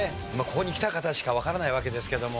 ここに来た方しかわからないわけですけども。